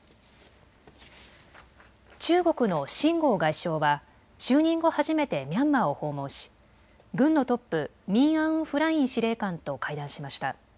中国の秦剛外相は就任後、初めてミャンマーを訪問し軍のトップ、ミン・アウン・フライン司令官と会談しました。